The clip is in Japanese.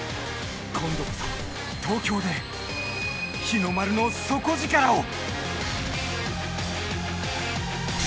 今度こそ東京で日の丸の底力を。